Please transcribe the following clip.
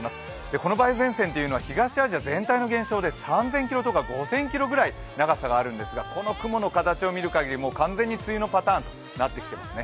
この梅雨前線は東アジア全体の現象で３０００ｋｍから５０００ｋｍくらいの長さがあるんですがこの雲の形を見るかぎり完全に梅雨のパターンとなってきていますね。